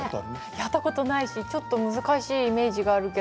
やったことないし、ちょっと難しいイメージがあるけど。